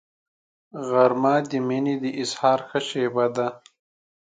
غرمه د مینې د اظهار ښه شیبه ده